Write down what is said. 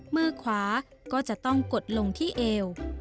มือขวาก็จะต้องกดลงที่เอว